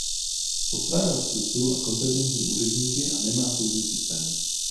Postrádá strukturu a kompetentní úředníky a nemá soudní systém.